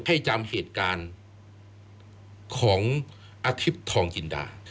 ให้จำเหตุการณ์ของอาทิตย์ทองจินดา